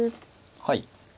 はい。